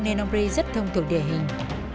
nên ông ri rất thông thường địa hình